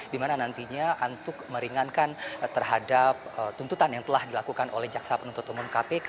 dimana nantinya untuk meringankan terhadap tuntutan yang telah dilakukan oleh jaksa penuntut umum kpk